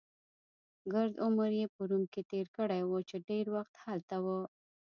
ګرد عمر يې په روم کې تېر کړی وو، چې ډېر وخت هلته و.